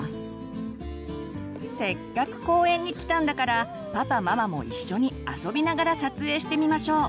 せっかく公園に来たんだからパパママも一緒に遊びながら撮影してみましょう。